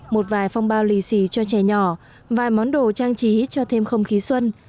một vài phong bao lì xì cho trẻ nhỏ vài món đồ trang trí cho thêm không khí xuân